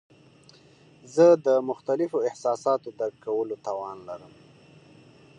زه د مختلفو احساساتو درک کولو توان لرم.